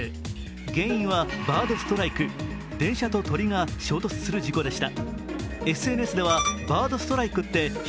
原因はバードストライク電車と鳥が衝突する事故でした。